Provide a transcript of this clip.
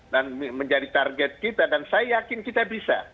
menjadi target kita dan saya yakin kita bisa